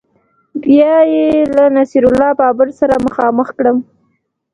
بیا یې له نصیر الله بابر سره مخامخ کړم